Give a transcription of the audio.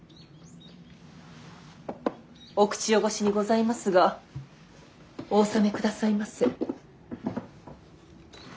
お口汚しにございますがお納めくださいませ。